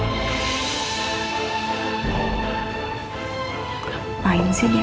apaan sih dia